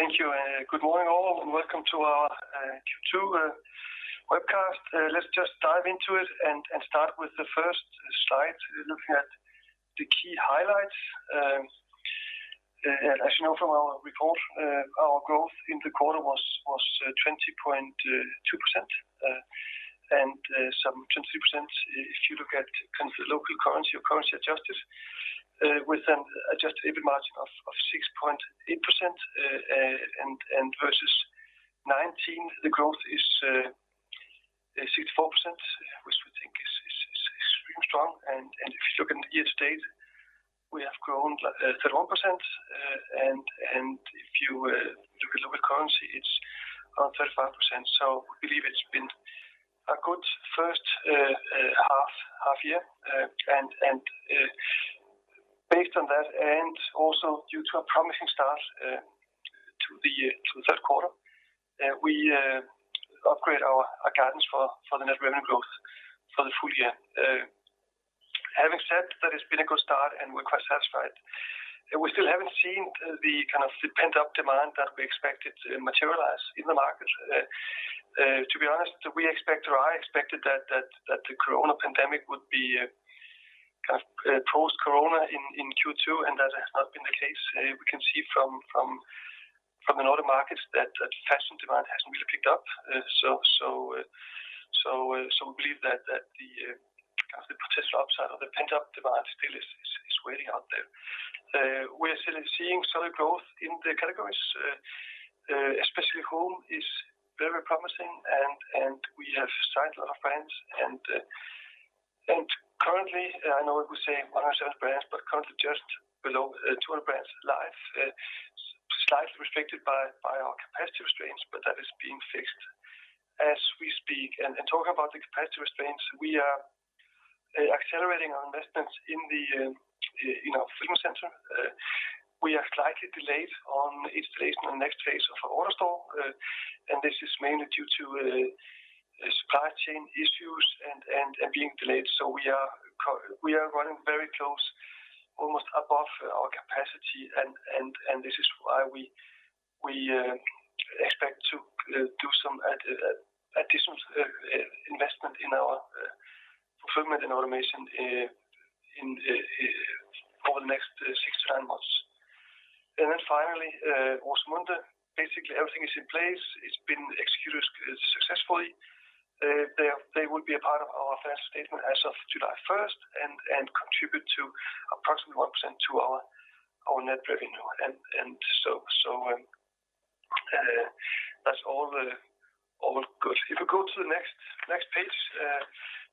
Thank you. Good morning all, and welcome to our Q2 webcast. Let's just dive into it and start with the first slide, looking at the key highlights. As you know from our report, our growth in the quarter was 20.2%, and some 22%, if you look at local currency or currency adjusted, with an adjusted EBIT margin of 6.8% versus 2019, the growth is 64%, which we think is extremely strong. If you look at the year to date, we have grown [inaudible] percent, and if you look at currency, it's around 35%. We believe it's been a good first half year. Based on that, and also due to a promising start to the third quarter, we upgrade our guidance for the net revenue growth for the full year. Having said that, it's been a good start and we're quite satisfied. We still haven't seen the pent-up demand that we expected to materialize in the market. To be honest, we expected, or I expected that the Corona pandemic would be post-Corona in Q2, and that has not been the case. We can see from a lot of markets that fashion demand hasn't really picked up. We believe that the potential upside of the pent-up demand still is waiting out there. We're still seeing solid growth in the categories, especially home is very promising, and we have signed a lot of brands. Currently, I know we say 100 brands, but currently just below 200 brands live. Slightly restricted by our capacity restraints, but that is being fixed as we speak. Talking about the capacity restraints, we are accelerating our investments in our fulfillment center. We are slightly delayed on the next phase of our AutoStore, and this is mainly due to supply chain issues and being delayed. We are running very close, almost above our capacity, and this is why we expect to do some additional investment in our fulfillment and automation over the next six to nine months. Finally, Rosemunde. Basically, everything is in place. It's been executed successfully. They will be a part of our financial statement as of July 1st and contribute approximately 1% to our net revenue. If we go to the next page,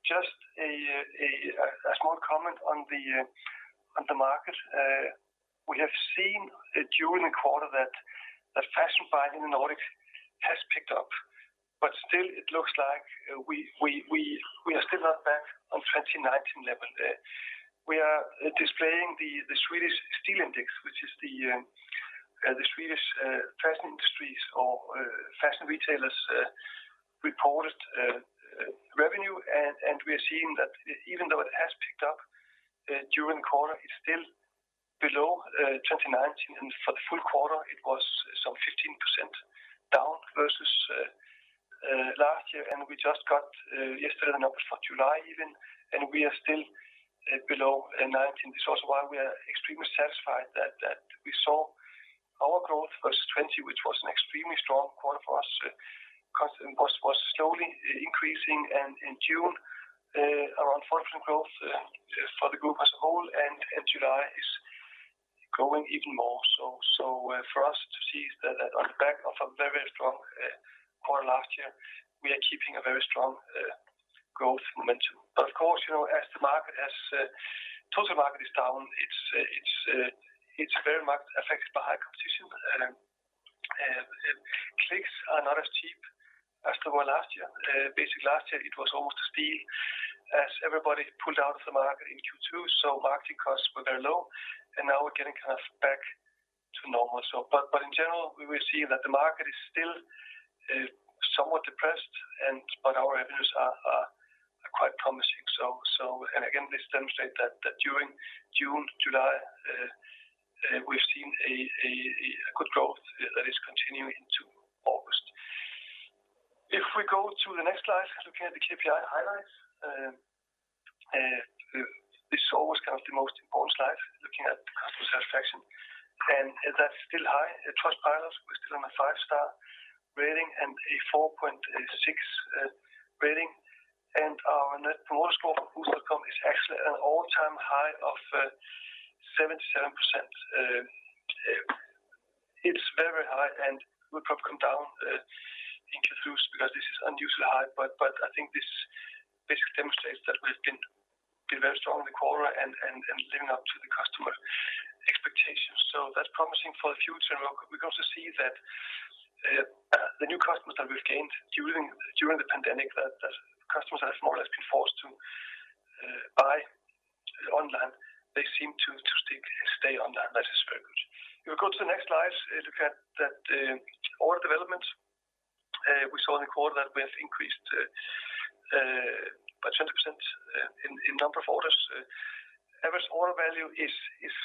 just a small comment on the market. We have seen during the quarter that fashion buying in the Nordics has picked up, but still it looks like we are still not back on 2019 level. We are displaying the Swedish Stilindex, which is the Swedish fashion industry's or fashion retailers' reported revenue. We are seeing that even though it has picked up during the quarter, it's still below 2019, and for the full quarter, it was some 15% down versus last year. We just got, yesterday, the numbers for July even, and we are still below 2019. This is also why we are extremely satisfied that we saw our growth versus 2020, which was an extremely strong quarter for us, constantly was slowly increasing and in June, around 4% growth for the group as a whole, and July is growing even more. For us to see that on the back of a very strong quarter last year, we are keeping a very strong growth momentum. Of course, as the total market is down, it's very much affected by high competition. Clicks are not as cheap as they were last year. Basically, last year, it was almost a steal as everybody pulled out of the market in Q2. Marketing costs were very low, and now we're getting kind of back to normal. In general, we will see that the market is still somewhat depressed. Our revenues are quite promising. Again, this demonstrates that during June, July, we've seen a good growth that is continuing into August. If we go to the next slide, looking at the KPI highlights. This is always kind of the most important slide, looking at customer satisfaction, and that's still high. Trustpilot, we're still on a 5-star rating and a 4.6 rating. Our Net Promoter Score for Boozt.com is actually an all-time high of 77%. It's very high. Will probably come down in Q2 because this is unusually high. I think this basically demonstrates that we've been very strong in the quarter and living up to the customer expectations. That's promising for the future. We can also see that the new customers that we've gained during the pandemic, that customers have more or less been forced to buy online, they seem to stay online. That is very good. If you go to the next slide, look at that order development. We saw in the quarter that we have increased the number of orders. Average Order Value is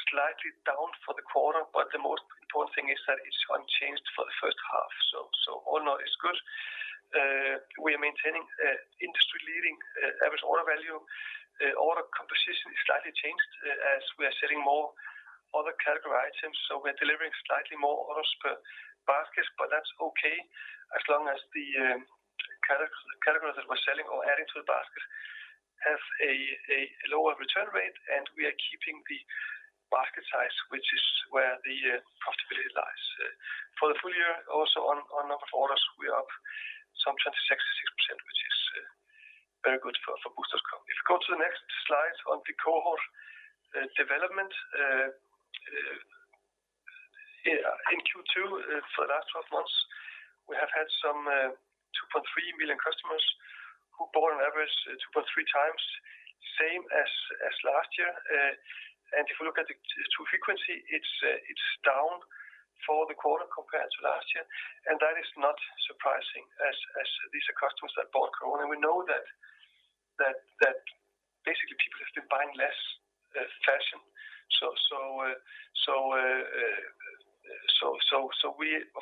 slightly down for the quarter, but the most important thing is that it's unchanged for the first half. All is good. We are maintaining industry-leading Average Order Value. Order composition is slightly changed as we are selling more other category items, we're delivering slightly more orders per basket, that's okay as long as the categories that we're selling or adding to the basket have a lower return rate and we are keeping the basket size, which is where the profitability lies. For the full year, also on number of orders, we are up some 26%, which is very good for Boozt.com. If you go to the next slide on the cohort development. In Q2, for the last 12 months, we have had some 2.3 million customers who bought on average 2.3x, same as last year. If you look at the true frequency, it's down for the quarter compared to last year, that is not surprising as these are customers that bought COVID, we know that basically people have been buying less fashion. Of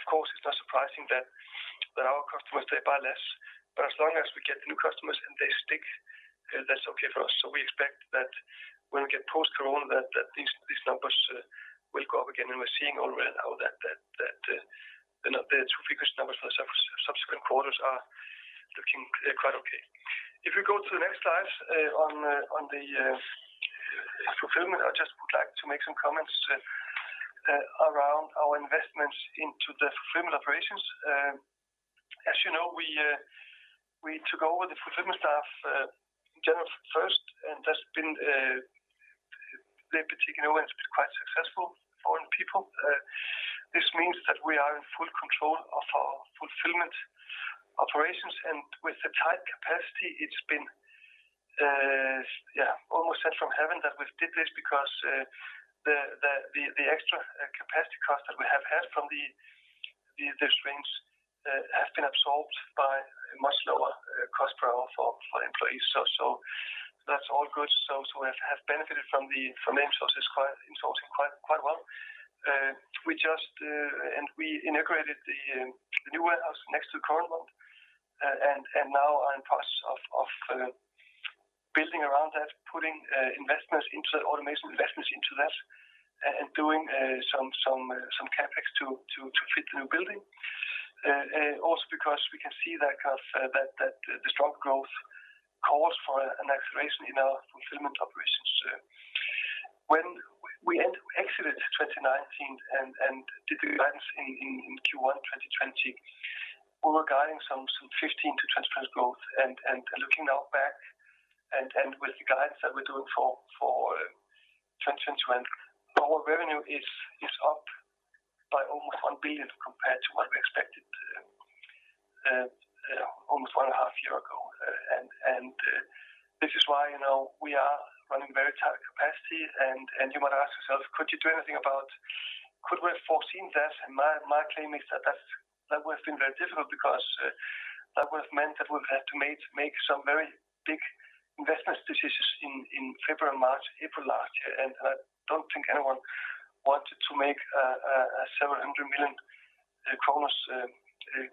course, it's not surprising that our customers, they buy less. As long as we get new customers and they stick, that's okay for us. We expect that when we get post-COVID, that these numbers will go up again, and we're seeing already now that the true frequency numbers for the subsequent quarters are looking quite okay. If you go to the next slide on the fulfillment, I just would like to make some comments around our investments into the fulfillment operations. As you know, we took over the fulfillment staff in January 1st, and that's been, they particularly went quite successful for our people. This means that we are in full control of our fulfillment operations, and with the tight capacity, it's been, yeah, almost sent from heaven that we did this because the extra capacity cost that we have had from the strains have been absorbed by a much lower cost per hour for employees. That's all good. We have benefited from outsourcing quite well. We integrated the new warehouse next to, [inaudible] and now are in process of building around that, putting investments into that, automation investments into that, and doing some CapEx to fit the new building. Also because we can see that the strong growth calls for an acceleration in our fulfillment operations. When we exited 2019 and did the guidance in Q1 2020, we were guiding some 15%-20% growth and looking now back and with the guidance that we're doing for 2020, the whole revenue is up by almost 1 billion compared to what we expected almost 1.5 years ago. This is why now we are running very tight capacity and you might ask yourself, could we have foreseen this? My claim is that that would have been very difficult because that would have meant that we would have to make some very big investment decisions in February, March, April last year. I don't think anyone wanted to make a several hundred million kronor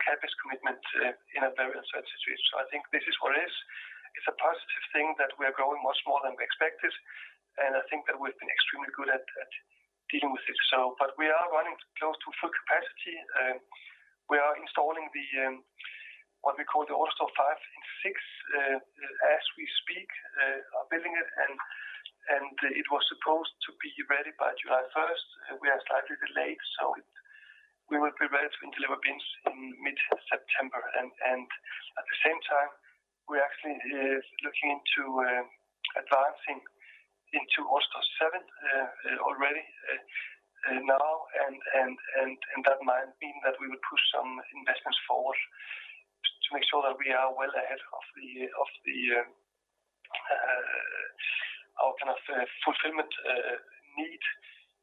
CapEx commitment in a very uncertain situation. I think this is what it is. It's a positive thing that we are growing much more than we expected, and I think that we've been extremely good at dealing with it. We are running close to full capacity. We are installing the, what we call the AutoStore phase V/VI, as we speak, are building it, and it was supposed to be ready by July 1st. We are slightly delayed, so we will be ready to deliver bins in mid-September. At the same time, we're actually looking into advancing into AutoStore seven already now. That might mean that we will push some investments forward to make sure that we are well ahead of our kind of fulfillment need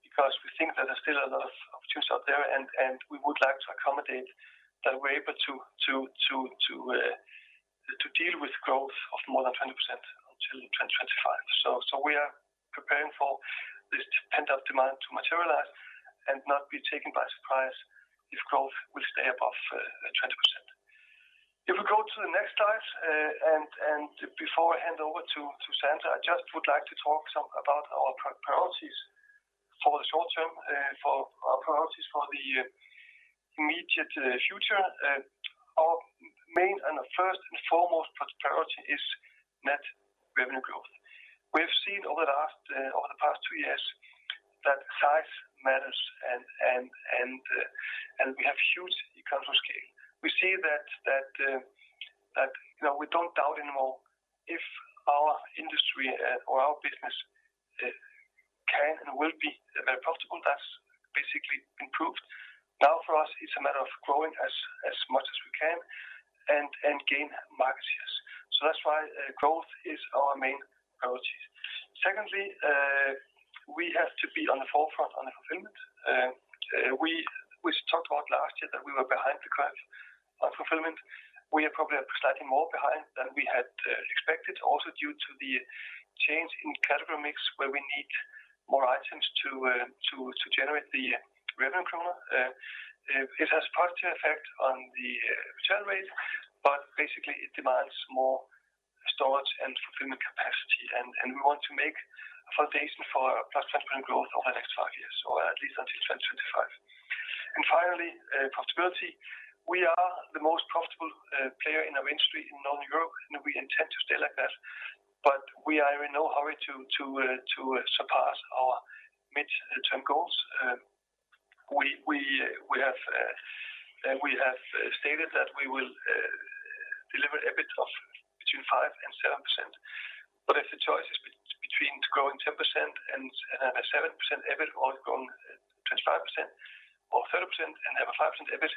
because we think that there's still a lot of opportunities out there, and we would like to accommodate that we're able to deal with growth of more than 20% until 2025. We are preparing for this pent-up demand to materialize and not be taken by surprise if growth will stay above 20%. If we go to the next slide, and before I hand over to Sandra, I just would like to talk about our priorities for the short term, for our priorities for the immediate future. Our main and first and foremost priority is net revenue growth. We have seen over the past two years that size matters and we have huge economies of scale. We see that we don't doubt anymore if our industry or our business can and will be very profitable. That's basically improved. For us, it's a matter of growing as much as we can and gain market shares. That's why growth is our main priority. Secondly, we have to be on the forefront of fulfillment. We talked about last year that we were behind the curve on fulfillment. We are probably slightly more behind than we had expected, also due to the change in category mix, where we need more items to generate the revenue growth. It has a positive effect on the return rate, but basically it demands more storage and fulfillment capacity, and we want to make a foundation for a +20% growth over the next five years, or at least until 2025. Finally, profitability. We are the most profitable player in our industry in Northern Europe, and we intend to stay like that, but we are in no hurry to surpass our midterm goals. We have stated that we will deliver EBIT of between 5% and 7%. If the choice is between growing 10% and have a 7% EBIT or growing 25% or 30% and have a 5% EBIT,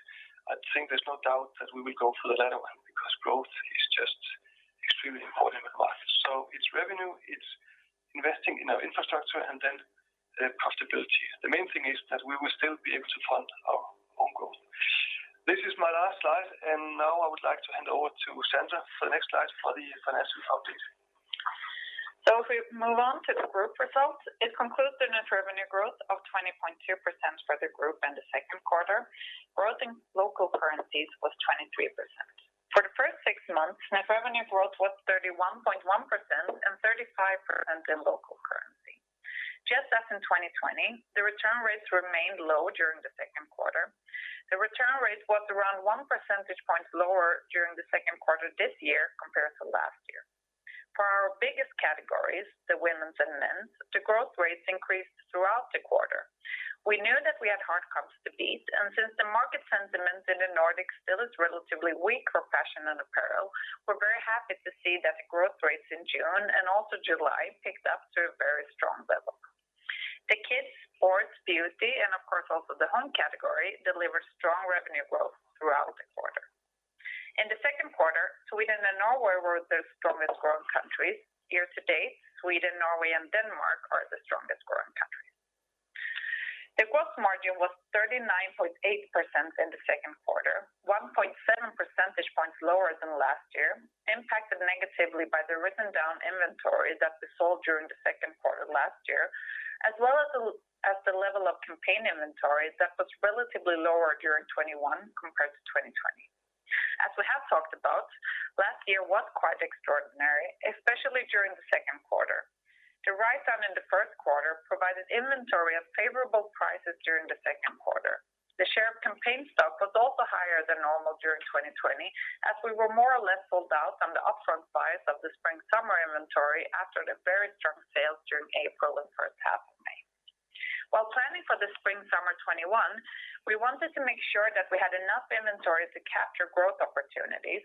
I think there's no doubt that we will go for the latter one. Growth is just extremely important in the market. It's revenue, it's investing in our infrastructure, and then profitability. The main thing is that we will still be able to fund our own growth. This is my last slide. Now I would like to hand over to Sandra for the next slide for the financial update. If we move on to the group results, it concludes the net revenue growth of 20.2% for the group in the second quarter. Growth in local currencies was 23%. For the first six months, net revenue growth was 31.1% and 35% in local currency. Just as in 2020, the return rates remained low during the second quarter. The return rate was around 1 percentage point lower during the second quarter this year compared to last year. For our biggest categories, the women's and men's, the growth rates increased throughout the quarter. We knew that we had hard comps to beat, and since the market sentiment in the Nordics still is relatively weak for fashion and apparel, we're very happy to see that the growth rates in June and also July picked up to a very strong level. The kids, sports, beauty, and of course, also the home category, delivered strong revenue growth throughout the quarter. In the second quarter, Sweden and Norway were the strongest growing countries. Year to date, Sweden, Norway, and Denmark are the strongest growing countries. The gross margin was 39.8% in the second quarter, 1.7 percentage points lower than last year, impacted negatively by the written-down inventory that we sold during the second quarter last year, as well as the level of campaign inventory that was relatively lower during 2021 compared to 2020. As we have talked about, last year was quite extraordinary, especially during the second quarter. The write-down in the first quarter provided inventory of favorable prices during the second quarter. The share of campaign stock was also higher than normal during 2020, as we were more or less sold out on the upfront buys of the spring/summer inventory after the very strong sales during April and first half of May. While planning for the spring/summer 2021, we wanted to make sure that we had enough inventory to capture growth opportunities.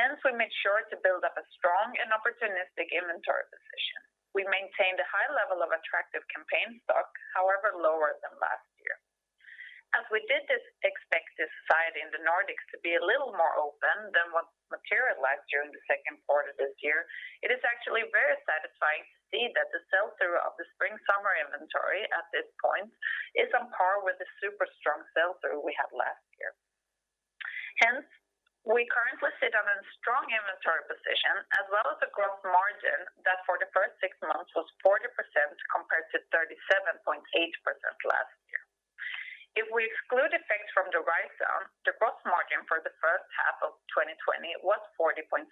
Hence, we made sure to build up a strong and opportunistic inventory position. We maintained a high level of attractive campaign stock, however, lower than last year. As we did expect society in the Nordics to be a little more open than what materialized during the second quarter this year, it is actually very satisfying to see that the sell-through of the spring/summer inventory at this point is on par with the super strong sell-through we had last year. We currently sit on a strong inventory position as well as a gross margin that for the first six months was 40% compared to 37.8% last year. If we exclude effects from the write-down, the gross margin for the first half of 2020 was 40.7%.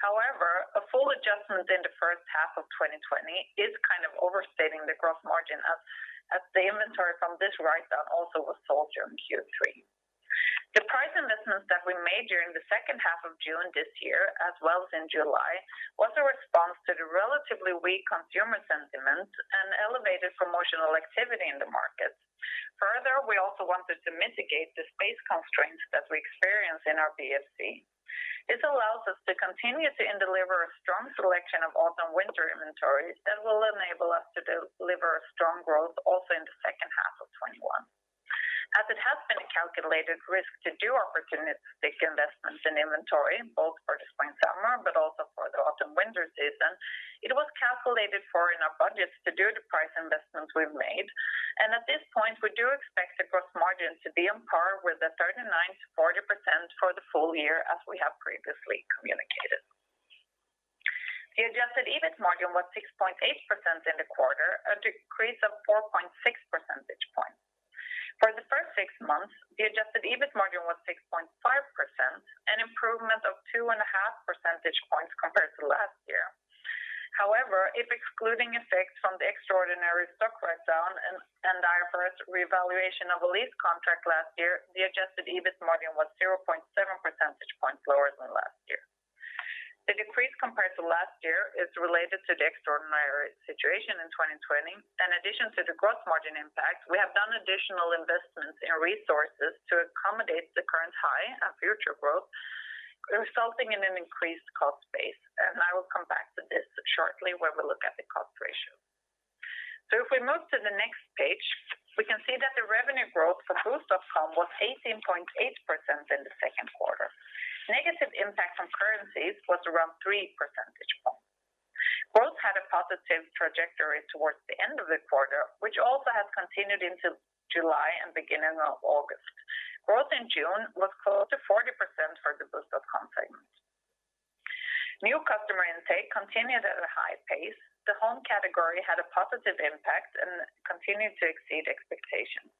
However a full adjustment in the first half of 2020 is kind of overstating the gross margin as the inventory from this write-down also was sold during Q3. The price investments that we made during the second half of June this year, as well as in July, was a response to the relatively weak consumer sentiment and elevated promotional activity in the market. We also wanted to mitigate the space constraints that we experience in our BFC. This allows us to continuously deliver a strong selection of autumn/winter inventories that will enable us to deliver a strong growth also in the second half of 2021. As it has been a calculated risk to do opportunistic investments in inventory, both for the spring/summer, but also for the autumn/winter season, it was calculated for in our budgets to do the price investments we've made, and at this point, we do expect the gross margin to be on par with the 39%-40% for the full year as we have previously communicated. The adjusted EBIT margin was 6.8% in the quarter, a decrease of 4.6 percentage points. For the first six months, the adjusted EBIT margin was 6.5%, an improvement of 2.5 percentage points compared to last year. However, if excluding effects from the extraordinary stock write-down and our first revaluation of a lease contract last year, the adjusted EBIT margin was 0.7 percentage points lower than last year. The decrease compared to last year is related to the extraordinary situation in 2020. In addition to the gross margin impact, we have done additional investments in resources to accommodate the current high and future growth, resulting in an increased cost base and I will come back to this shortly when we look at the cost ratio. If we move to the next page, we can see that the revenue growth for Boozt.com was 18.8% in the second quarter. Negative impact from currencies was around 3 percentage points. Growth had a positive trajectory towards the end of the quarter, which also has continued into July and beginning of August. Growth in June was close to 40% for the Boozt.com segment. New customer intake continued at a high pace. The home category had a positive impact and continued to exceed expectations.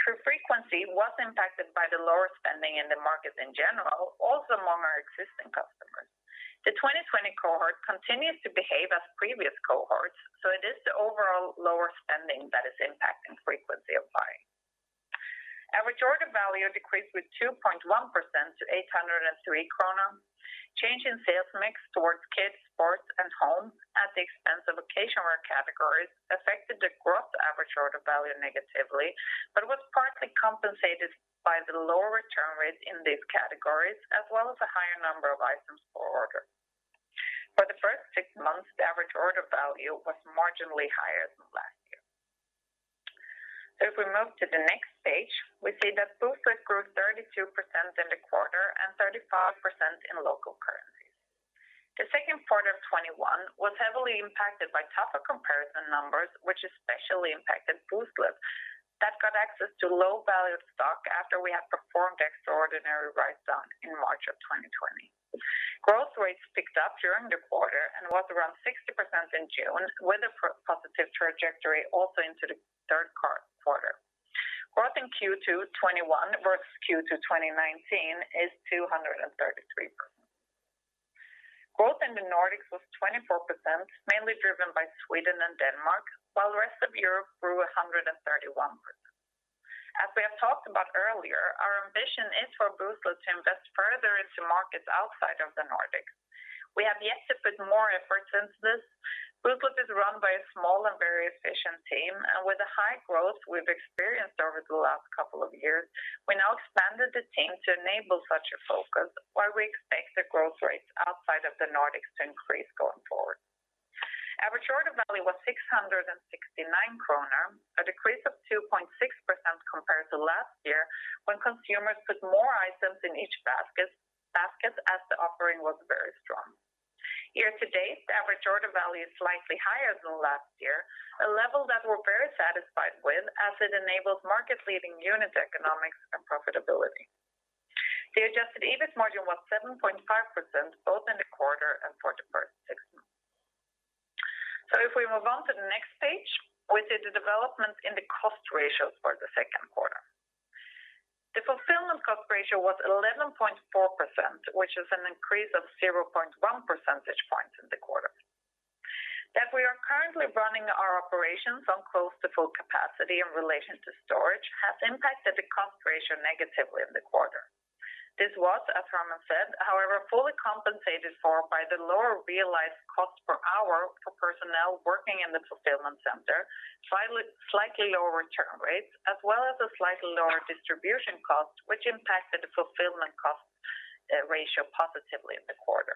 True frequency was impacted by the lower spending in the markets in general, also among our existing customers. The 2020 cohort continues to behave as previous cohorts, so it is the overall lower spending that is impacting frequency of buying. Average Order Value decreased with 2.1% to 803 kronor. Change in sales mix towards kids, sports and home at the expense of occasional categories affected the growth Average Order Value negatively, but was partly compensated by the lower return rate in these categories, as well as a higher number of items per order. For the first six months, the Average Order Value was marginally higher than last year. If we move to the next page, we see that Booztlet grew 32% in the quarter and 35% in local currencies. The second quarter of 2021 was heavily impacted by tougher comparison numbers, which especially impacted Booztlet that got access to low value stock after we had performed extraordinary write-downs in March 2020. Growth rates picked up during the quarter and was around 60% in June, with a positive trajectory also into the third quarter. Growth in Q2 2021 versus Q2 2019 is 233%. Growth in the Nordics was 24%, mainly driven by Sweden and Denmark, while the rest of Europe grew 131%. As we have talked about earlier, our ambition is for Booztlet to invest further into markets outside of the Nordics. We have yet to put more effort into this. Booztlet is run by a small and very efficient team, and with the high growth we've experienced over the last couple of years, we now expanded the team to enable such a focus, where we expect the growth rates outside of the Nordics to increase going forward. Average Order Value was 669 kronor, a decrease of 2.6% compared to last year, when consumers put more items in each basket, as the offering was very strong. Year to date, the Average Order Value is slightly higher than last year, a level that we're very satisfied with as it enables market leading unit economics and profitability. The adjusted EBIT margin was 7.5%, both in the quarter and for the first six months. If we move on to the next page, we see the development in the cost ratios for the second quarter. The fulfillment cost ratio was 11.4%, which is an increase of 0.1 percentage points in the quarter. That we are currently running our operations on close to full capacity in relation to storage has impacted the cost ratio negatively in the quarter. This was, as Hermann said, however, fully compensated for by the lower realized cost per hour for personnel working in the fulfillment center, slightly lower return rates, as well as a slightly lower distribution cost, which impacted the fulfillment cost ratio positively in the quarter.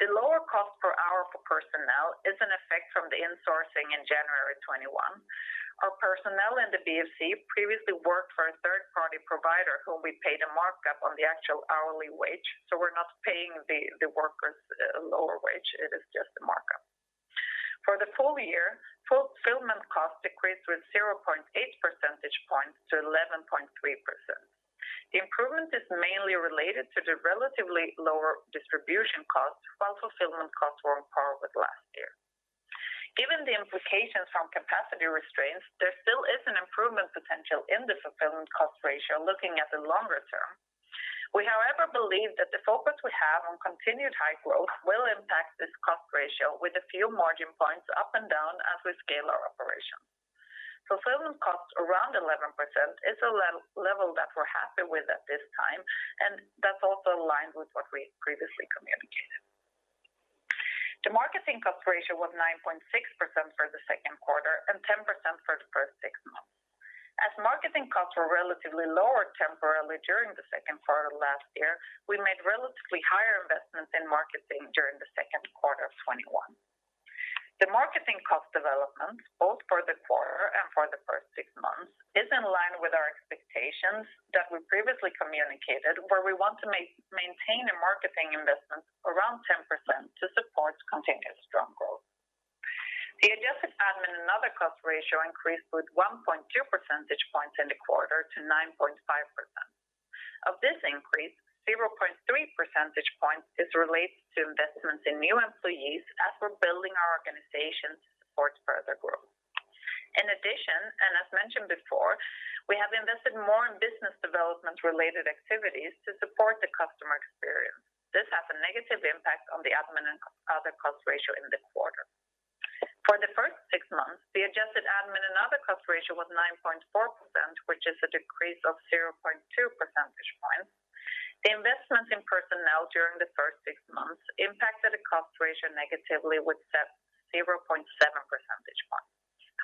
The lower cost per hour for personnel is an effect from the insourcing in January 2021. Our personnel in the BFC previously worked for a third-party provider whom we paid a markup on the actual hourly wage. We're not paying the workers a lower wage, it is just a markup. For the full year, fulfillment cost decreased with 0.8 percentage points to 11.3%. The improvement is mainly related to the relatively lower distribution costs, while fulfillment costs were on par with last year. Given the implications from capacity restraints, there still is an improvement potential in the fulfillment cost ratio, looking at the longer term. We, however, believe that the focus we have on continued high growth will impact this cost ratio with a few margin points up and down as we scale our operation. Fulfillment cost around 11% is a level that we're happy with at this time, and that's also aligned with what we previously communicated. The marketing cost ratio was 9.6% for the second quarter and 10% for the first six months. As marketing costs were relatively lower temporarily during the second quarter last year, we made relatively higher investments in marketing during the second quarter of 2021. The marketing cost development, both for the quarter and for the first six months, is in line with our expectations that we previously communicated, where we want to maintain a marketing investment around 10% to support continuous strong growth. The adjusted admin and other cost ratio increased with 1.2 percentage points in the quarter to 9.5%. Of this increase, 0.3 percentage points is related to investments in new employees as we're building our organization to support further growth. In addition, and as mentioned before, we have invested more in business development related activities to support the customer experience. This has a negative impact on the admin and other cost ratio in the quarter. For the first six months, the adjusted admin and other cost ratio was 9.4%, which is a decrease of 0.2 percentage points. The investments in personnel during the first six months impacted the cost ratio negatively with 0.7 percentage points.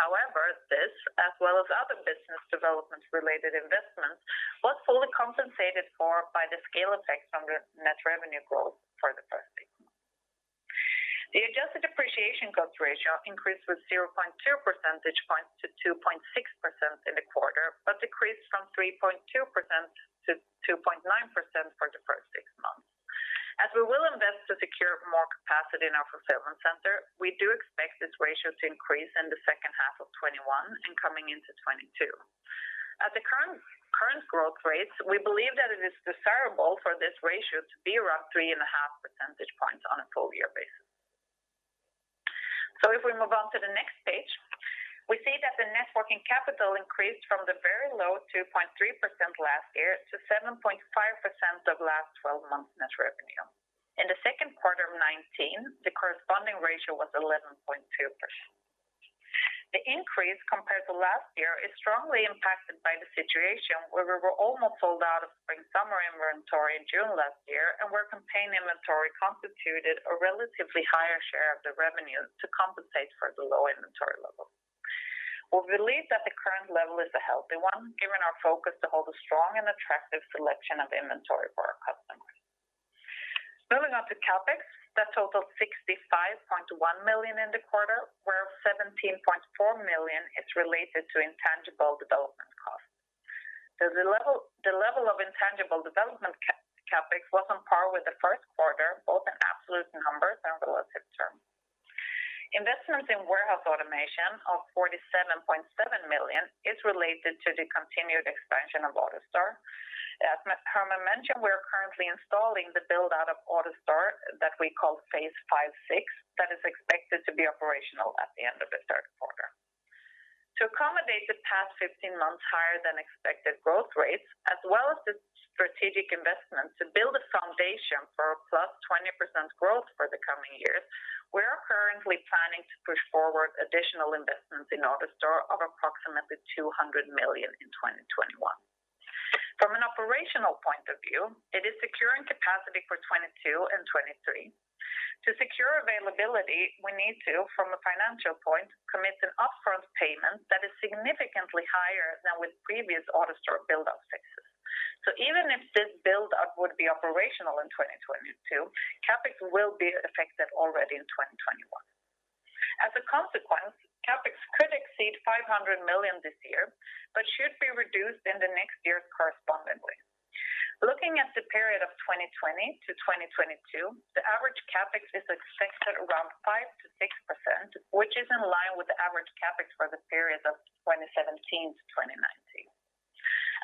However, as well as other business development-related investments, was fully compensated for by the scale effects on the net revenue growth for the first six months. The adjusted depreciation cost ratio increased with 0.2 percentage points to 2.6% in the quarter, but decreased from 3.2%-2.9% for the first six months. As we will invest to secure more capacity in our fulfillment center, we do expect this ratio to increase in the second half of 2021 and coming into 2022. At the current growth rates, we believe that it is desirable for this ratio to be around 3.5 percentage points on a full year basis. If we move on to the next page, we see that the net working capital increased from the very low 2.3% last year to 7.5% of last 12 months net revenue. In the second quarter of 2019, the corresponding ratio was 11.2%. The increase compared to last year is strongly impacted by the situation where we were almost sold out of spring/summer inventory in June last year, and where campaign inventory constituted a relatively higher share of the revenue to compensate for the low inventory level. We believe that the current level is a healthy one, given our focus to hold a strong and attractive selection of inventory for our customers. Moving on to CapEx, that totaled 65.1 million in the quarter, where 17.4 million is related to intangible development costs. The level of intangible development CapEx was on par with the first quarter, both in absolute numbers and relative term. Investments in warehouse automation of 47.7 million is related to the continued expansion of AutoStore. As Hermann mentioned, we are currently installing the build-out of AutoStore that we call phase V/VI, that is expected to be operational at the end of the third quarter. To accommodate the past 15 months higher than expected growth rates, as well as the strategic investment to build a foundation for a +20% growth for the coming years, we are currently planning to push forward additional investments in AutoStore of approximately 200 million in 2021. From an operational point of view, it is securing capacity for 2022 and 2023. To secure availability, we need to, from a financial point, commit an upfront payment that is significantly higher than with previous AutoStore build-out phases. Even if this build-out would be operational in 2022, CapEx will be affected already in 2021. As a consequence, CapEx could exceed 500 million this year, but should be reduced in the next years correspondingly. Looking at the period of 2020 to 2022, the average CapEx is expected around 5%-6%, which is in line with the average CapEx for the period of 2017 to 2019.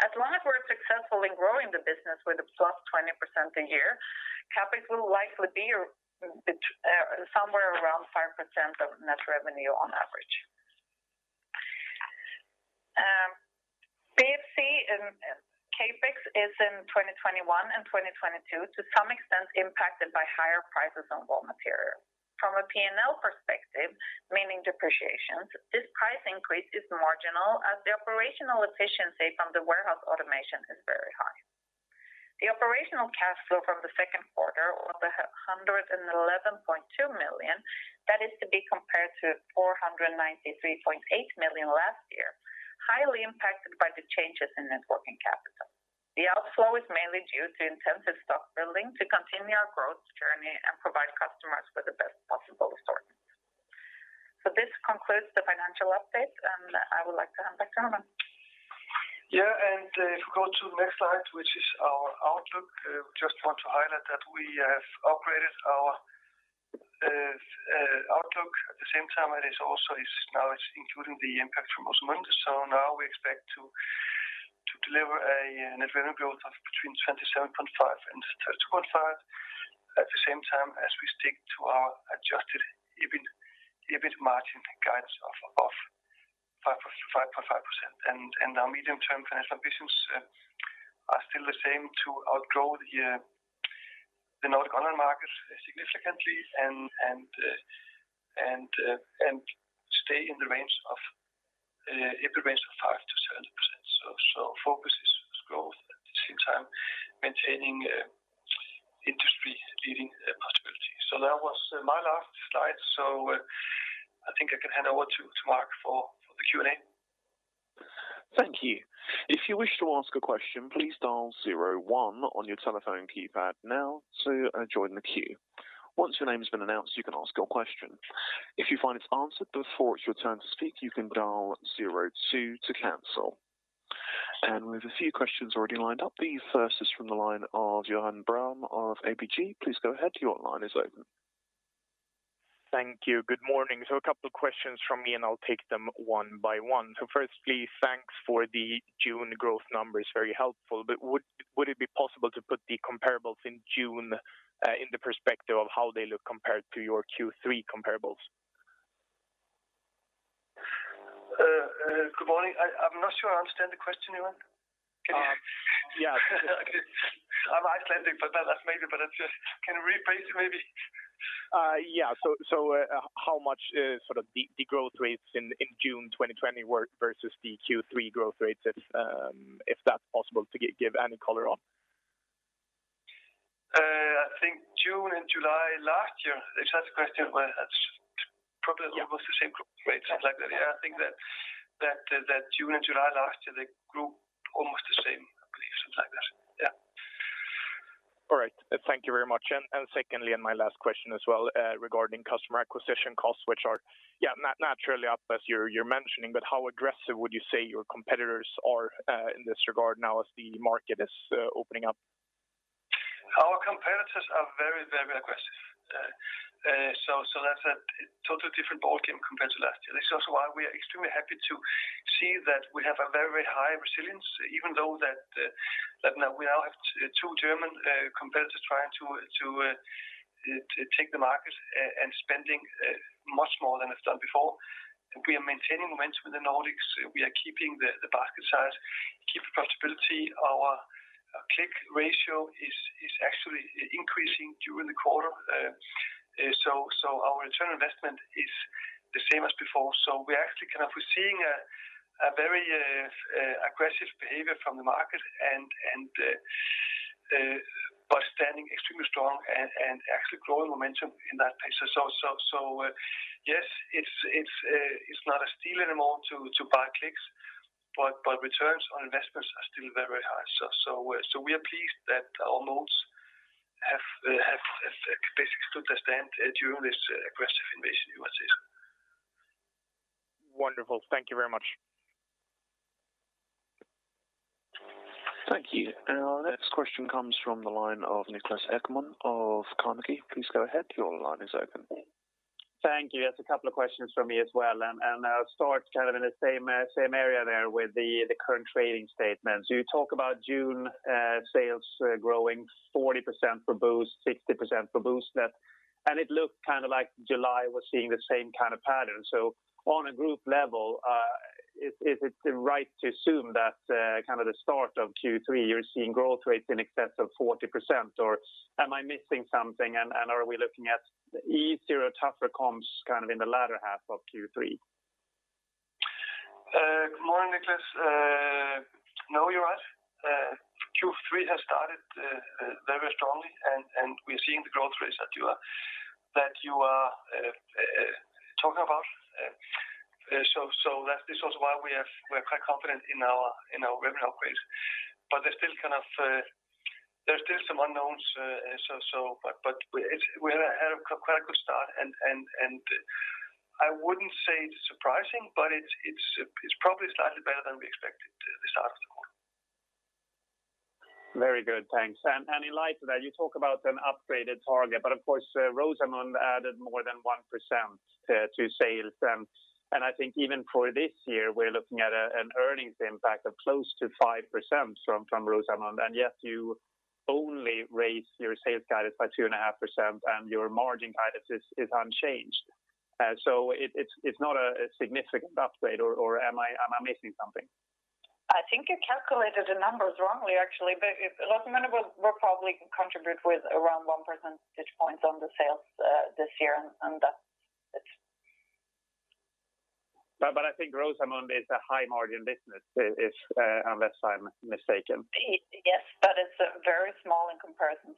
As long as we're successful in growing the business with a +20% a year, CapEx will likely be somewhere around 5% of net revenue on average. BFC and CapEx is in 2021 and 2022 to some extent impacted by higher prices on raw material. From a P&L perspective, meaning depreciation, this price increase is marginal as the operational efficiency from the warehouse automation is very high. The operational cash flow from the second quarter was 111.2 million. That is to be compared to 493.8 million last year, highly impacted by the changes in net working capital. The outflow is mainly due to intensive stock building to continue our growth journey and provide customers with the best possible assortment. This concludes the financial update, and I would like to hand back to Hermann. Yeah, if we go to the next slide, which is our outlook, we just want to highlight that we have upgraded our outlook. At the same time, it is also now including the impact from Rosemunde. Now we expect to deliver a net revenue growth of between 27.5% and 30.5%. At the same time as we stick to our adjusted EBIT margin guidance of 5.5%. Our medium-term financial ambitions are still the same to outgrow the Nordic online market significantly and stay in the EBIT range of 5%-7%. Focus is growth, at the same time maintaining industry-leading profitability. That was my last slide. I think I can hand over to Mark for the Q&A. Thank you. If you wish to ask a question, please dial zero one on your telephone keypad now to join the queue. Once your name has been announced, you can ask your question. If you find it's answered before it's your turn to speak, you can dial zero two to cancel. We have a few questions already lined up. The first is from the line of Johan Brown of ABG. Please go ahead, your line is open. Thank you. Good morning. A couple of questions from me, and I'll take them one by one. Firstly, thanks for the June growth numbers, very helpful. Would it be possible to put the comparables in June in the perspective of how they look compared to your Q3 comparables? Good morning. I'm not sure I understand the question, Johan. Can you? Yeah. I'm Icelandic, but that's maybe. Can you rephrase it maybe? Yeah. How much sort of the growth rates in June 2020 were versus the Q3 growth rates, if that's possible to give any color on? I think June and July last year, they had the same question. Well, that's probably almost the same growth rates like that. Yeah, I think that June and July last year, they grew almost the same. I believe something like that. Yeah. All right. Thank you very much. Secondly, and my last question as well, regarding customer acquisition costs, which are naturally up as you're mentioning, but how aggressive would you say your competitors are in this regard now as the market is opening up? Our competitors are very aggressive. That's a totally different ballgame compared to last year. That's also why we are extremely happy to see that we have a very high resilience, even though that we now have two German competitors trying to take the market and spending much more than it's done before. We are maintaining momentum in the Nordics. We are keeping the basket size, keeping profitability. Our click ratio is actually increasing during the quarter. Our internal investment is the same as before. We actually kind of were seeing a very aggressive behavior from the market and by standing extremely strong and actually growing momentum in that pace. Yes, it's not a steal anymore to buy clicks, but returns on investments are still very high. We are pleased that our moats have basically stood the test during this aggressive invasion you are seeing. Wonderful. Thank you very much. Thank you. Our next question comes from the line of Niklas Ekman of Carnegie. Please go ahead. Your line is open. Thank you. Just a couple of questions from me as well. I'll start kind of in the same area there with the current trading statement. You talk about June sales growing 40% for Boozt, 60% for Booztlet, and it looked like July was seeing the same kind of pattern. On a group level, is it right to assume that kind of the start of Q3, you're seeing growth rates in excess of 40%? Am I missing something? Are we looking at easier, tougher comps kind of in the latter half of Q3? Good morning, Niklas. No, you're right. Q3 has started very strongly, and we're seeing the growth rates that you are talking about. This was why we're quite confident in our revenue upgrades. There's still some unknowns. We had a quite good start, and I wouldn't say it's surprising, but it's probably slightly better than we expected the start of the quarter. Very good. Thanks. In light of that, you talk about an upgraded target, but of course, Rosemunde added more than 1% to sales. I think even for this year, we're looking at an earnings impact of close to 5% from Rosemunde. Yet you only raise your sales guidance by 2.5% and your margin guidance is unchanged. It's not a significant upgrade or am I missing something? I think you calculated the numbers wrongly, actually. Rosemunde will probably contribute with around 1 percentage points on the sales this year, and that's it. I think Rosemunde is a high-margin business, unless I'm mistaken. Yes, but it's very small in comparison.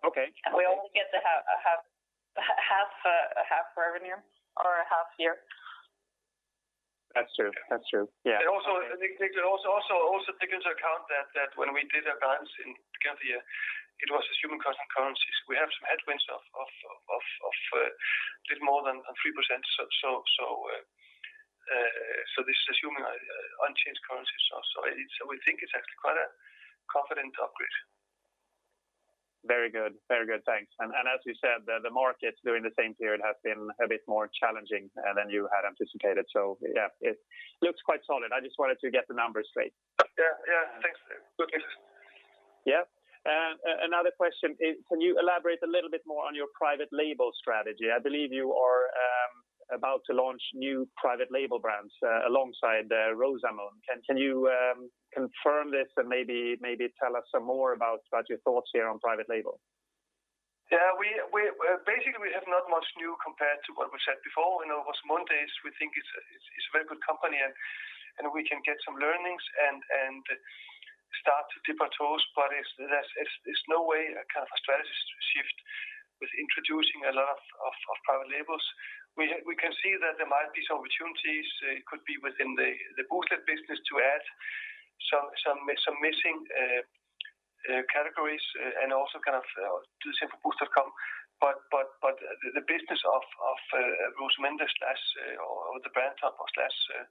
Okay. We only get half revenue or a half year. That's true. Yeah. Take into account that when we did our guidance in the beginning of the year, it was assuming constant currencies. We have some headwinds of a bit more than 3%. This is assuming unchanged currencies. We think it's actually quite a confident upgrade. Very good. Thanks. As you said, the markets during the same period have been a bit more challenging than you had anticipated. Yeah, it looks quite solid. I just wanted to get the numbers straight. Yeah. Thanks. Yeah. Another question is, can you elaborate a little bit more on your private label strategy? I believe you are about to launch new private label brands alongside Rosemunde. Can you confirm this and maybe tell us some more about your thoughts here on private label? Yeah. Basically, we have not much new compared to what we said before. In other words, Rosemunde we think is a very good company, and we can get some learnings and start to dip our toes. It's no way a kind of a strategy shift with introducing a lot of private labels. We can see that there might be some opportunities. It could be within the Booztlet business to add some missing categories and also kind of do the same for Boozt.com. The business of Rosemunde, or the brand of private label,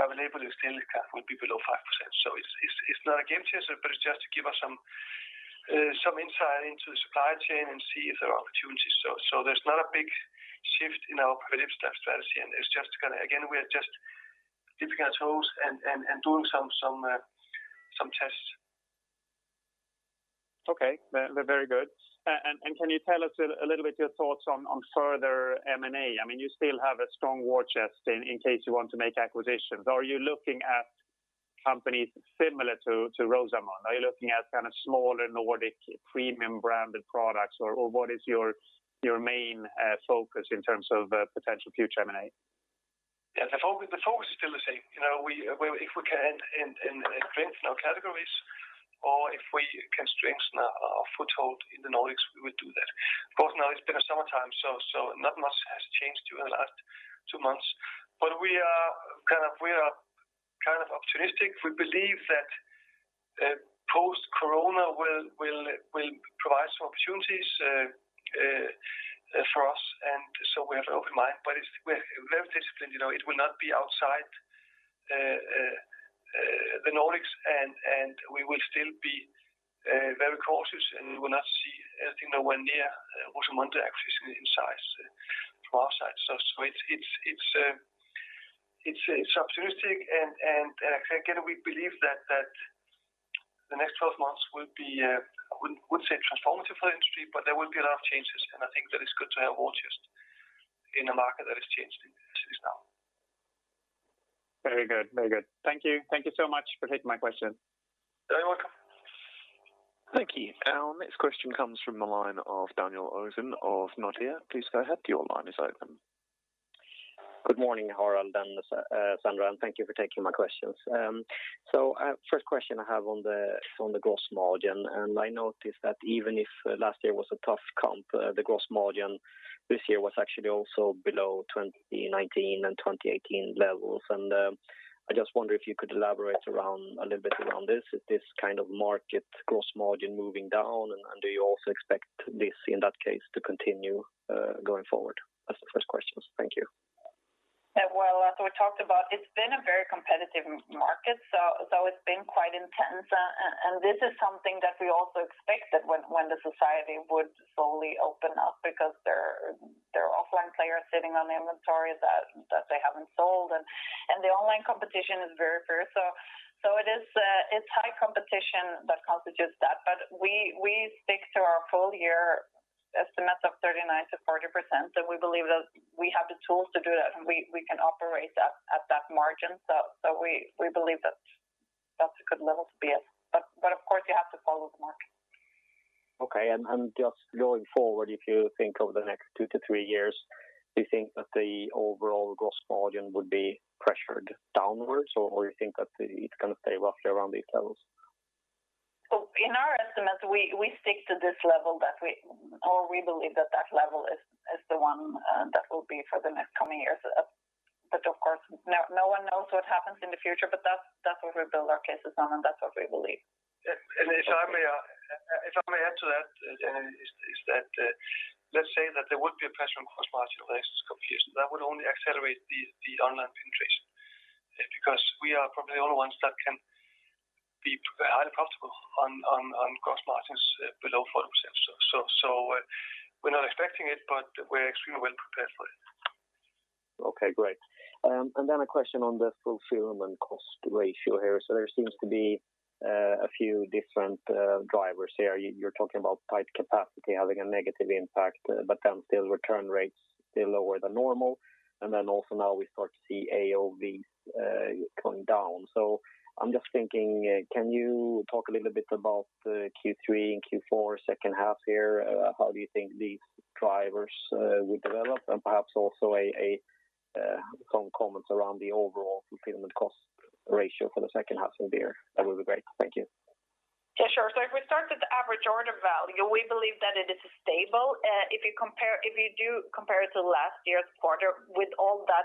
will still be below 5%. It's not a game changer, but it's just to give us some insight into the supply chain and see if there are opportunities. There's not a big shift in our private label strategy, and again, we're just dipping our toes and doing some tests. Okay. Very good. Can you tell us a little bit your thoughts on further M&A? You still have a strong war chest in case you want to make acquisitions. Are you looking at companies similar to Rosemunde? Are you looking at kind of smaller Nordic premium branded products? What is your main focus in terms of potential future M&A? Yeah, the focus is still the same. If we can strengthen our categories or if we can strengthen our foothold in the Nordics, we will do that. Of course, now it's been summertime, so not much has changed during the last two months. We are opportunistic. We believe that post-corona will provide some opportunities for us, and so we have an open mind, but we're very disciplined. It will not be outside the Nordics, and we will still be very cautious, and we will not see anything near what we want to actually see in size for our side. It's opportunistic, and again, we believe that the next 12 months will be, I wouldn't say transformative for the industry, but there will be a lot of changes, and I think that it's good to have horses in a market that has changed as it is now. Very good. Thank you. Thank you so much for taking my question. Very welcome. Thank you. Our next question comes from the line of Daniel Hermansen of Nordea. Please go ahead your line is open. Good morning, Harald and Sandra, and thank you for taking my questions. First question I have on the gross margin. I noticed that even if last year was a tough comp, the gross margin this year was actually also below 2019 and 2018 levels. I just wonder if you could elaborate a little bit around this. Is this kind of market gross margin moving down? Do you also expect this, in that case, to continue going forward? That's the first question. Thank you. Well, as we talked about, it's been a very competitive market, so it's been quite intense. This is something that we also expected when the society would slowly open up because there are offline players sitting on the inventory that they haven't sold, and the online competition is very fierce. It's high competition that constitutes that. We stick to our full-year estimates of 39%-40%, and we believe that we have the tools to do that, and we can operate at that margin. We believe that that's a good level to be at. Of course, you have to follow the market. Okay. Just going forward, if you think over the next two to three years, do you think that the overall gross margin would be pressured downwards, or you think that it's going to stay roughly around these levels? In our estimates, we stick to this level that we believe that that level is the one that will be for the next coming years. Of course, no one knows what happens in the future, but that's what we build our cases on, and that's what we believe. If I may add to that is that, let's say that there would be a pressure on gross margin. There is confusion. That would only accelerate the online penetration because we are probably the only ones that can be highly profitable on gross margins below 4%. We're not expecting it, but we're extremely well prepared for it. Okay, great. A question on the fulfillment cost ratio here. There seems to be a few different drivers here. You are talking about tight capacity having a negative impact, but then still return rates still lower than normal. Also now we start to see AOV coming down. I am just thinking, can you talk a little bit about the Q3 and Q4 second half here? How do you think these drivers will develop? Perhaps also some comments around the overall fulfillment cost ratio for the second half of the year. That would be great. Thank you. Yeah, sure. If we start with the Average Order Value, we believe that it is stable. If you do compare it to last year's quarter with all that,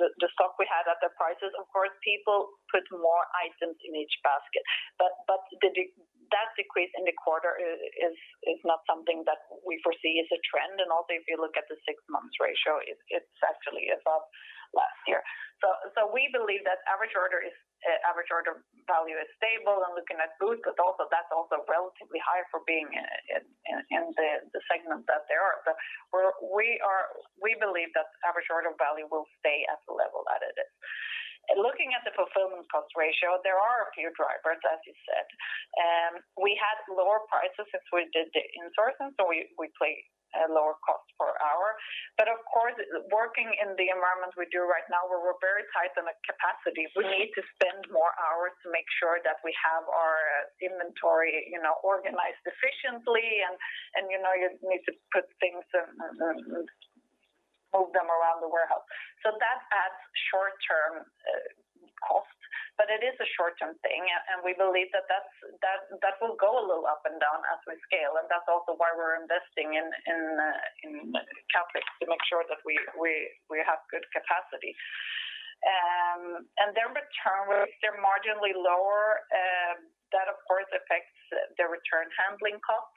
the stock we had at the prices, of course, people put more items in each basket. That decrease in the quarter is not something that we foresee as a trend. Also, if you look at the six months ratio, it's actually above last year. We believe that Average Order Value is stable and looking at Boozt, that's also relatively high for being in the segment that they are. We believe that the Average Order Value will stay at the level that it is. Looking at the fulfillment cost ratio, there are a few drivers, as you said. We had lower prices since we did the insourcing, we play a lower cost per hour. Of course, working in the environment we do right now where we're very tight on the capacity, we need to spend more hours to make sure that we have our inventory organized efficiently and you need to put things and move them around the warehouse. That adds short-term cost, but it is a short-term thing, and we believe that will go a little up and down as we scale, and that's also why we're investing in CapEx to make sure that we have good capacity. Their return rates, they're marginally lower. That, of course, affects the return handling cost,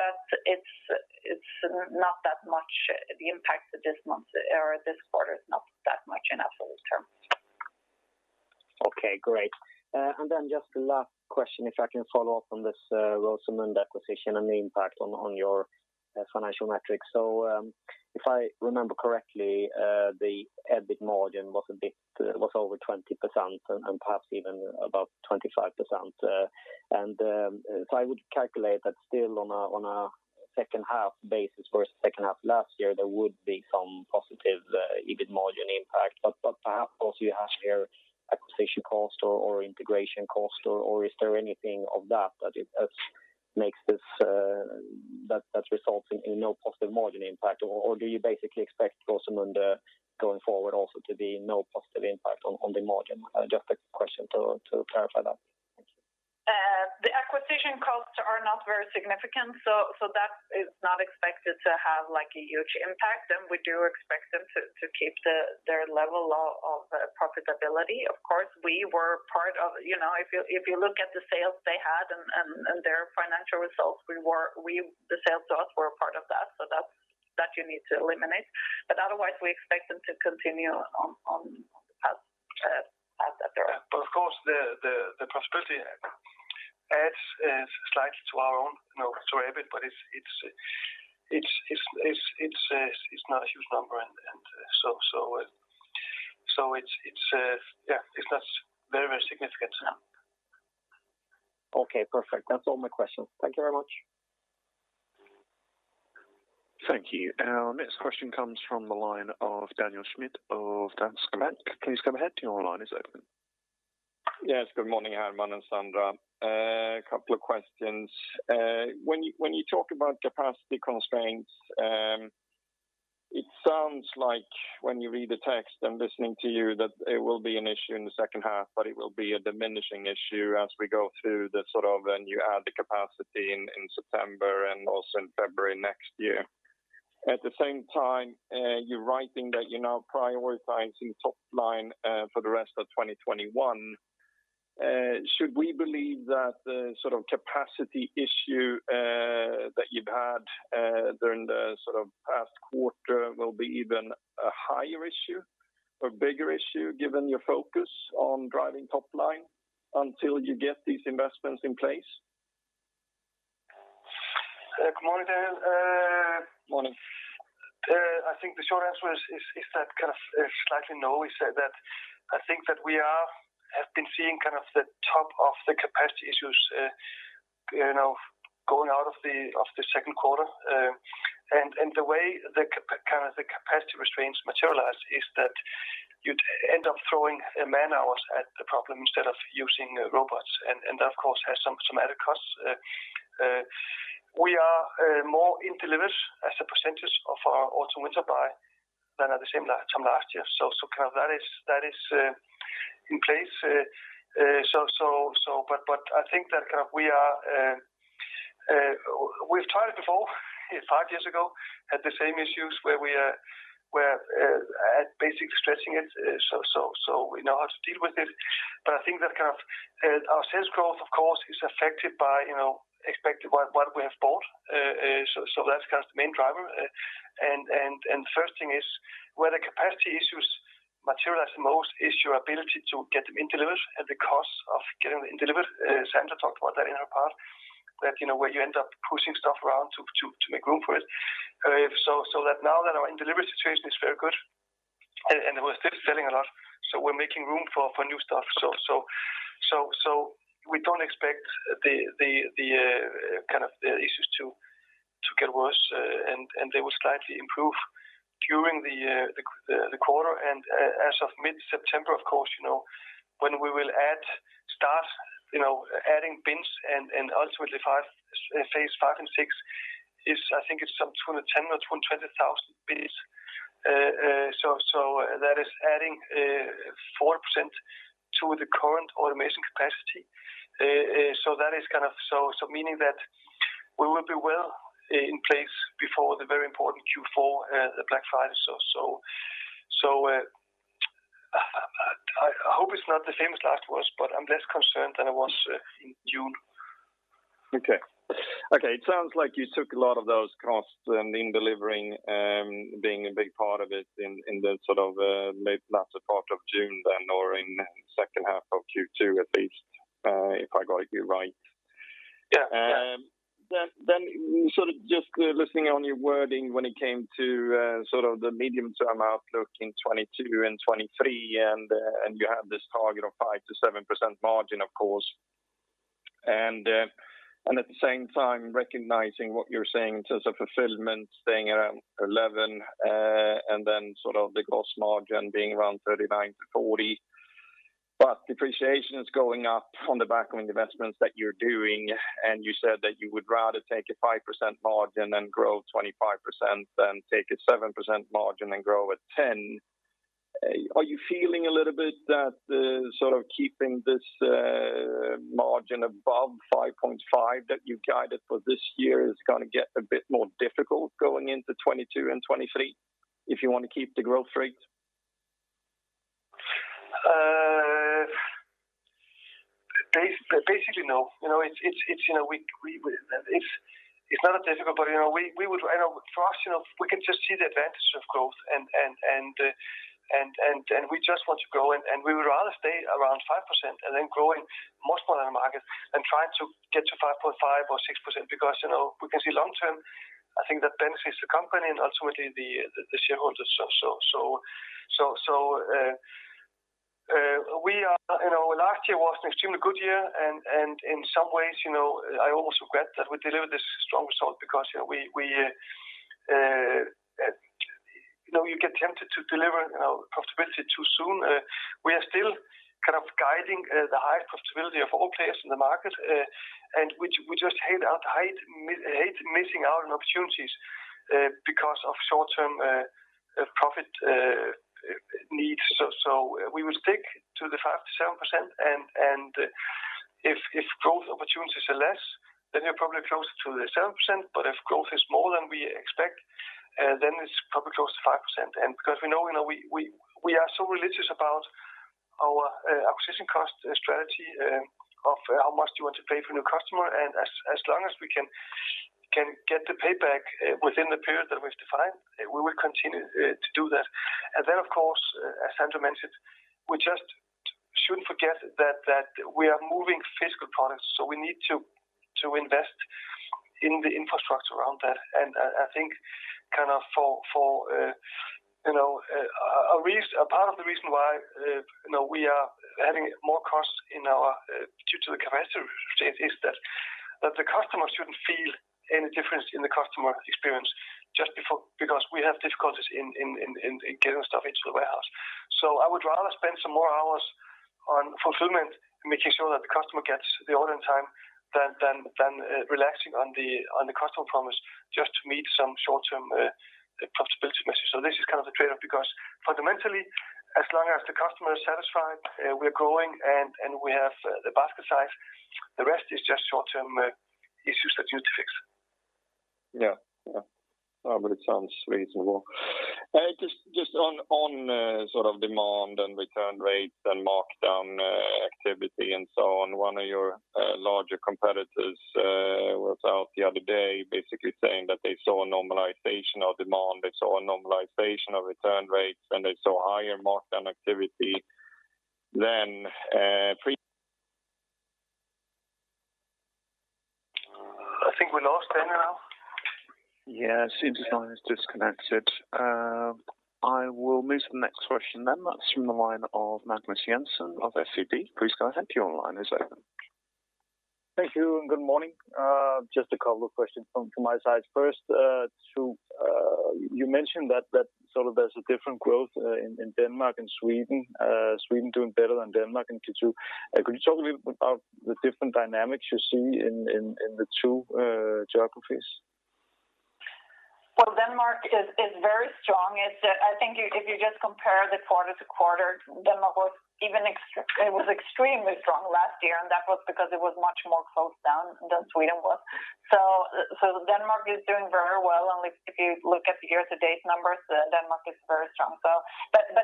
but it's not that much. The impact this quarter is not that much in absolute terms. Okay, great. Just the last question, if I can follow up on this Rosemunde acquisition and the impact on your financial metrics. If I remember correctly, the EBIT margin was over 20% and perhaps even above 25%. If I would calculate that still on a second half basis versus second half last year, there would be some positive EBIT margin impact. Perhaps also you have here acquisition cost or integration cost, or is there anything of that results in no positive margin impact? Do you basically expect, going forward also, to be no positive impact on the margin? Just a question to clarify that. Thank you. The acquisition costs are not very significant. That is not expected to have a huge impact. We do expect them to keep their level of profitability. If you look at the sales they had and their financial results, the sales to us were a part of that. That you need to eliminate. Otherwise, we expect them to continue on as that Of course, the prosperity adds slightly to our own, to everybody's. It's not a huge number, and so it's not very significant. No. Okay, perfect. That's all my questions. Thank you very much. Thank you. Our next question comes from the line of Daniel Schmidt of Danske Bank. Please go ahead your line is open. Yes. Good morning, Hermann and Sandra. A couple of questions. When you talk about capacity constraints, it sounds like when you read the text and listening to you, that it will be an issue in the second half, but it will be a diminishing issue as we go through and you add the capacity in September and also in February next year. At the same time, you're writing that you're now prioritizing top line for the rest of 2021. Should we believe that the capacity issue that you've had during the past quarter will be even a higher issue or bigger issue, given your focus on driving top line until you get these investments in place? Good morning, Daniel. Morning. I think the short answer is that kind of slightly no. I think that we have been seeing the top of the capacity issues going out of the second quarter. The way the capacity restraints materialize is that you'd end up throwing man-hours at the problem instead of using robots, and that, of course, has some added costs. We are more in deliveries as a percentage of our autumn-winter buy than at the same time last year. That is in place. I think that we've tried it before, five years ago, had the same issues where we are at basic stretching it. We know how to deal with it. I think that our sales growth, of course, is affected by what we have bought. That's the main driver. First thing is, where the capacity issues materialize the most is your ability to get them in deliveries at the cost of getting them in delivery. Sandra talked about that in her part, that where you end up pushing stuff around to make room for it. Now that our in delivery situation is very good and we're still selling a lot, so we're making room for new stuff. We don't expect the issues to get worse, and they will slightly improve during the quarter and as of mid-September, of course, when we will start adding bins and ultimately phase 5-6 is, I think it's between 10 and 20,000 bins. That is adding 4% to the current automation capacity. Meaning that we will be well in place before the very important Q4, the Black Friday. I hope it's not the same as last year, but I'm less concerned than I was in June. Okay. It sounds like you took a lot of those costs in delivering, being a big part of it in the latter part of June then, or in the second half of Q2 at least, if I got you right. Yeah. Just listening on your wording when it came to the medium-term outlook in 2022 and 2023, you have this target of 5%-7% margin, of course. At the same time recognizing what you're saying in terms of fulfillment staying around 11%, and the gross margin being around 39%-40%. Depreciation is going up on the back of investments that you're doing, and you said that you would rather take a 5% margin and grow 25% than take a 7% margin and grow at 10%. Are you feeling a little bit that keeping this margin above 5.5% that you guided for this year is going to get a bit more difficult going into 2022 and 2023, if you want to keep the growth rate? No. It's not difficult, but for us, we can just see the advantage of growth, and we just want to grow, and we would rather stay around 5% and then grow in most other markets than trying to get to 5.5% or 6%. We can see long term, I think that benefits the company and ultimately the shareholders. Last year was an extremely good year, and in some ways, I almost regret that we delivered this strong result because you get tempted to deliver profitability too soon. We are still kind of guiding the high profitability of all players in the market, and we just hate missing out on opportunities because of short-term profit needs. We will stick to the 5%-7%, and if growth opportunities are less, then we're probably closer to the 7%. If growth is more than we expect, then it's probably closer to 5%. Because we know we are so religious about our acquisition cost strategy of how much do you want to pay for a new customer, and as long as we can get the payback within the period that we've defined, we will continue to do that. Then, of course, as Sandra mentioned, we just shouldn't forget that we are moving physical products, so we need to invest in the infrastructure around that. I think kind of a part of the reason why we are having more costs due to the capacity is that the customer shouldn't feel any difference in the customer experience just because we have difficulties in getting stuff into the warehouse. I would rather spend some more hours on fulfillment and making sure that the customer gets the order in time than relaxing on the customer promise just to meet some short-term profitability measures. This is kind of the trade-off, because fundamentally, as long as the customer is satisfied, we're growing, and we have the basket size. The rest is just short-term issues that you need to fix. Yeah. It sounds reasonable. Just on sort of demand and return rates and markdown activity and so on, one of your larger competitors was out the other day basically saying that they saw a normalization of demand, they saw a normalization of return rates, and they saw higher markdown activity than pre- I think we lost Daniel. Yeah. It seems Daniel has disconnected. I will move to the next question. That's from the line of Magnus Jensen of SEB. Please go ahead. You're online. It's open. Thank you, and good morning. Just a couple of questions from my side. First, you mentioned that there's a different growth in Denmark and Sweden. Sweden doing better than Denmark. Could you talk a little bit about the different dynamics you see in the two geographies? Denmark is very strong. I think if you just compare the quarter-to-quarter, Denmark was extremely strong last year, and that was because it was much more closed down than Sweden was. Denmark is doing very well, and if you look at the year to date numbers, Denmark is very strong.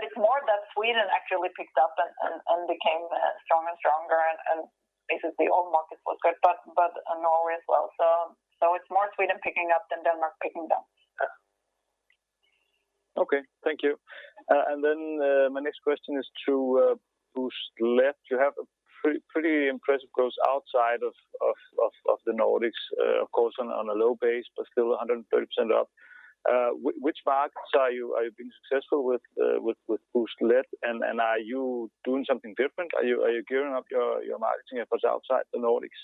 It's more that Sweden actually picked up and became stronger and stronger, and basically all markets was good, but Norway as well. It's more Sweden picking up than Denmark picking down. Okay. Thank you. My next question is to Booztlet. You have a pretty impressive growth outside of the Nordics. Of course, on a low base, but still 130% up. Which markets are you being successful with Booztlet, and are you doing something different? Are you gearing up your marketing efforts outside the Nordics?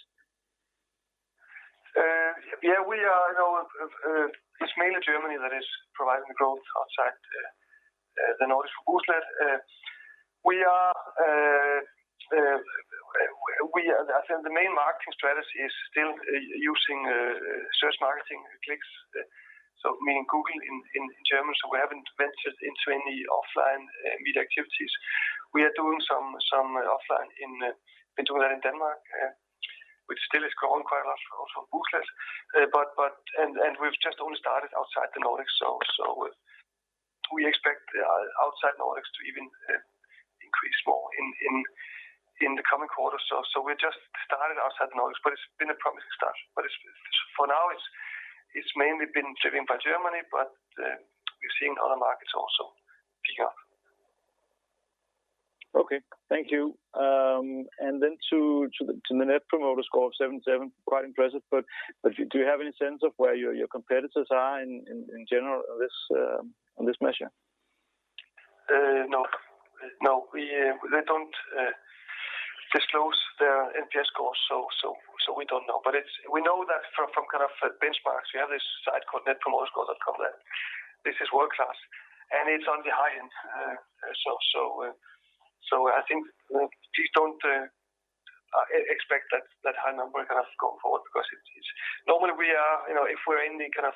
Yeah, we are. It's mainly Germany that is providing the growth outside the Nordics for Booztlet. The main marketing strategy is still using search marketing clicks, so meaning Google in German. We haven't ventured into any offline media activities. We are doing some offline in Denmark, which still is growing quite a lot for Booztlet, and we've just only started outside the Nordics. We expect outside Nordics to even increase more in the coming quarters. We just started outside the Nordics, but it's been a promising start. For now, it's mainly been driven by Germany, but we're seeing other markets also pick up. Okay. Thank you. To the Net Promoter Score of 77%, quite impressive, but do you have any sense of where your competitors are in general on this measure? They don't disclose their NPS score, we don't know. We know that from kind of benchmarks, we have this site called netpromoterscore.com, that this is world-class, it's on the high end. I think please don't expect that high number kind of going forward because normally if we're in the kind of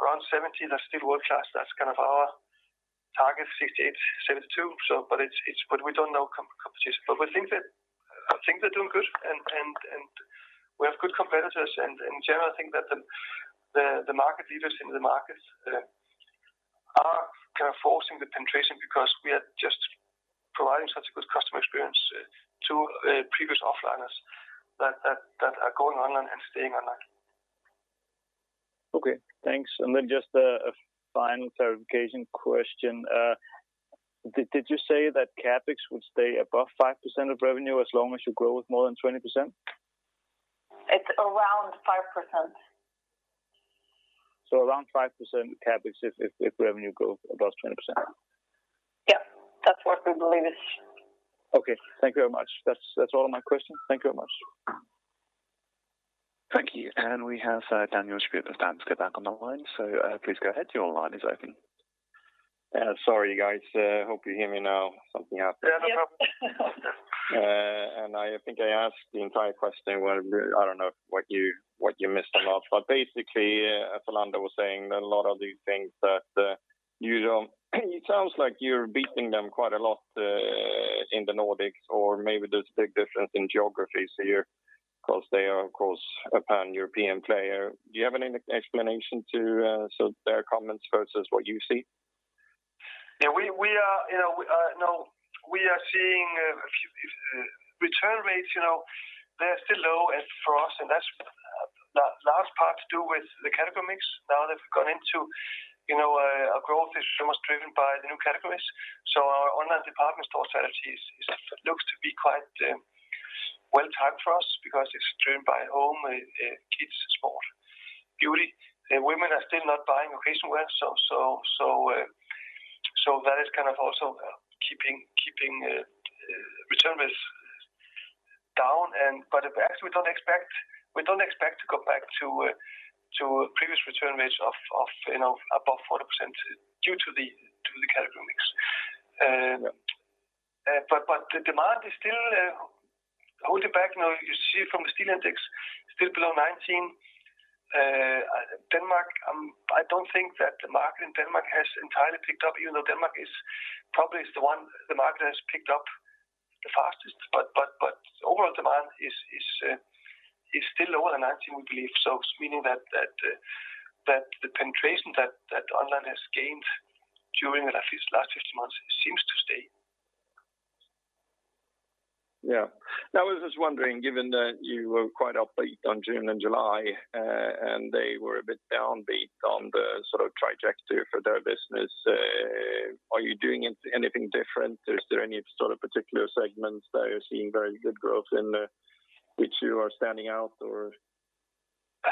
around 70, that's still world-class. That's kind of our target, 68, 72. We don't know competition. I think they're doing good, we have good competitors, in general, I think that the market leaders in the market are kind of forcing the penetration because we are just providing such a good customer experience to previous offliners that are going online and staying online. Okay, thanks. Just a final clarification question. Did you say that CapEx would stay above 5% of revenue as long as you grow with more than 20%? It's around 5%. So around 5% CapEx if revenue growth above 20%? Yep. That's what we believe is. Okay. Thank you very much. That's all my questions. Thank you very much. Thank you. We have Daniel Schmidt of Danske Bank on the line. Please go ahead. Your line is open. Sorry, guys. Hope you hear me now. Something happened. Yeah, no problem. I think I asked the entire question. I don't know what you missed or not. Basically, Zalando was saying that a lot of these things. It sounds like you are beating them quite a lot in the Nordics or maybe there is a big difference in geographies here because they are, of course, a pan-European player. Do you have any explanation to their comments versus what you see? Yeah. We are seeing a few return rates, they're still low as for us, and that's large part to do with the category mix. Now that we've gone into our growth is almost driven by the new categories. Our online department store strategy looks to be quite well timed for us because it's driven by home, kids, sport, beauty, women are still not buying occasion wear, so that is kind of also keeping return rates down. Quite the fact we don't expect to go back to previous return rates of above 40% due to the category mix. Yeah. The demand is still holding back. Now, you see from the Stilindex, still below 2019. Denmark, I don't think that the market in Denmark has entirely picked up, even though Denmark probably is the 1 the market has picked up the fastest. Overall demand is still lower than 2019, we believe, meaning that the penetration that online has gained during these last 18 months seems to stay. Yeah. I was just wondering, given that you were quite upbeat on June and July, and they were a bit downbeat on the sort of trajectory for their business, are you doing anything different? Is there any sort of particular segments that you're seeing very good growth in which you are standing out or? I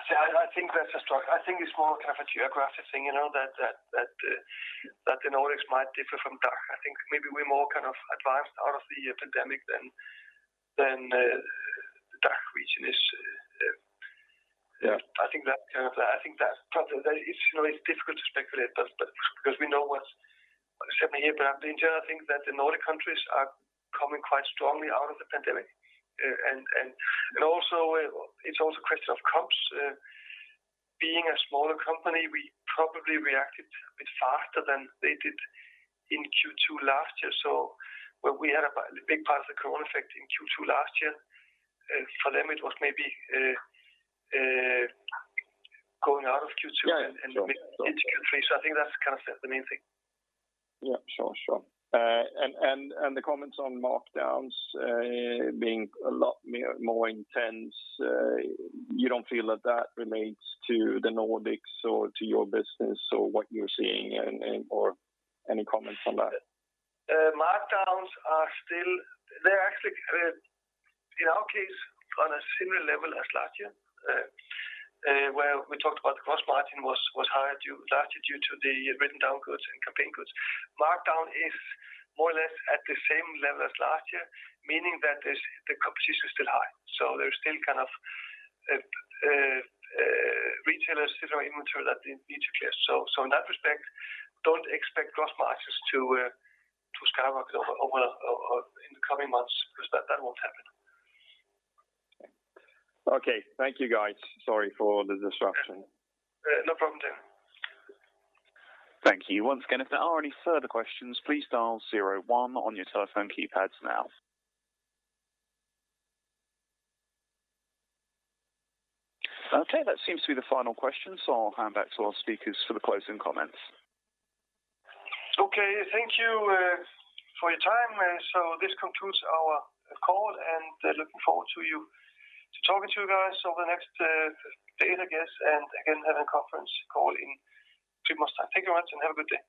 think it's more of a geographic thing, that the Nordics might differ from DACH. I think maybe we're more kind of advanced out of the pandemic than the DACH region is. Yeah. I think that part, it's difficult to speculate because we know what's happening here. In general, I think that the Nordic countries are coming quite strongly out of the pandemic. It's also a question of comps. Being a smaller company, we probably reacted a bit faster than they did in Q2 last year. When we had a big part of the COVID effect in Q2 last year, for them, it was maybe going out of Q2. Yeah, sure. into Q3. I think that's kind of the main thing. Yeah, sure. The comments on markdowns being a lot more intense, you don't feel that that relates to the Nordics or to your business or what you're seeing or any comments on that? Markdowns, in our case, on a similar level as last year, where we talked about gross margin was higher due to the written-down goods and campaign goods. Markdown is more or less at the same level as last year, meaning that the competition is still high. There's still kind of retailers sitting on inventory that they need to clear. In that respect, don't expect gross margins to skyrocket in the coming months because that won't happen. Okay. Thank you, guys. Sorry for the disruption. No problem. Thank you. Once again, if there are any further questions, please dial zero one on your telephone keypads now. Okay, that seems to be the final question. I'll hand back to our speakers for the closing comments. Okay, thank you for your time. This concludes our call, and looking forward to talking to you guys on the next date, I guess. Again, have a conference call in three months time. Thank you very much, and have a good day.